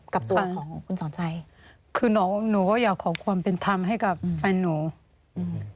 กับทางของคุณสอนชัยคือน้องหนูก็อยากขอความเป็นธรรมให้กับแฟนหนูอืม